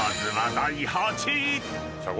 ［第８位は］